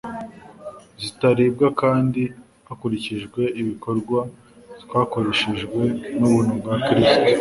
zitarigwa hakurildjwe ibikorwa twakoreshejwe n'ubuntu bwa Kristo.